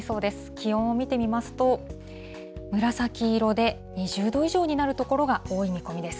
気温を見てみますと、紫色で２０度以上になる所が多い見込みです。